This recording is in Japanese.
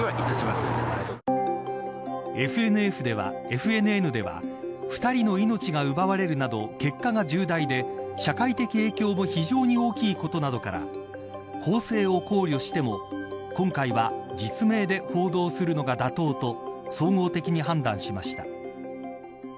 ＦＮＮでは２人の命が奪われるなど結果が重大で社会的影響も非常に大きいことなどから公正を考慮しても今回は実名で報道するのが妥当と総合的に判断しました。